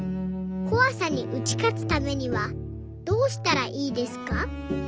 こわさに打ち勝つためにはどうしたらいいですか？」。